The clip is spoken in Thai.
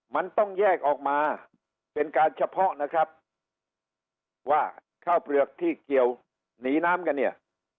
มันต้องแยกออกมาเป็นการเฉพาะนะครับว่าข้าวเปลือกที่เกี่ยวหนีน้ำกันเนี่ย